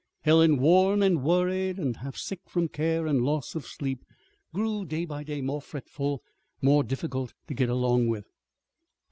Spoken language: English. Helen, worn and worried, and half sick from care and loss of sleep, grew day by day more fretful, more difficult to get along with.